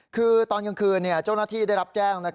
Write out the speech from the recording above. คือตอนกลางคืนเจ้าหน้าที่ได้รับแจ้ง